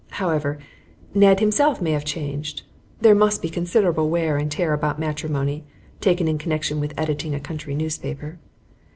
However, Ned himself may have changed; there must be considerable wear and tear about matrimony, taken in connection with editing a country newspaper.